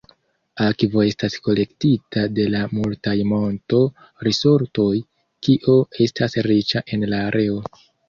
Akvo estas kolektita de la multaj monto-risortoj, kio estas riĉa en la areo.